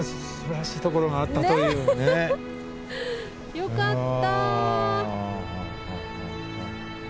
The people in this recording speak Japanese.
よかった。